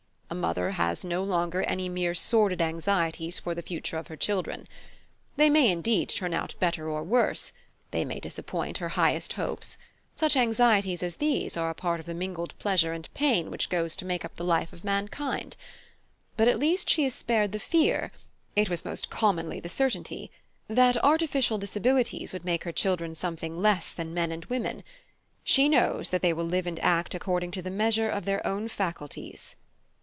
A mother has no longer any mere sordid anxieties for the future of her children. They may indeed turn out better or worse; they may disappoint her highest hopes; such anxieties as these are a part of the mingled pleasure and pain which goes to make up the life of mankind. But at least she is spared the fear (it was most commonly the certainty) that artificial disabilities would make her children something less than men and women: she knows that they will live and act according to the measure of their own faculties.